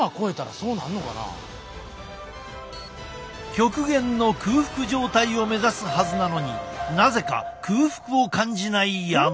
極限の空腹状態を目指すはずなのになぜか空腹を感じない矢野。